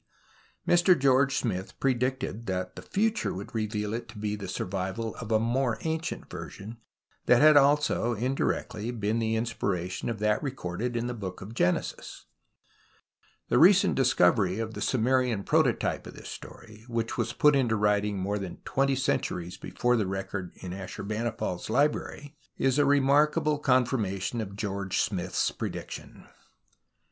Mr George Smith predicted tliat tlie future would reveal it to be tlie survi\'al of a more ancient version tliat had also in directly been the inspiration of that recorded in the Book of Genesis. The recent discovery of the Sumerian prototype of this story, which J Tliis was written in Jamiary 192.3. THE STORY OF THE FLOOD 93 was put into writing more than twenty cen turies before the record in Ashur bani pal's hbrary, is a remarkable confirmation of George Smitli's prediction.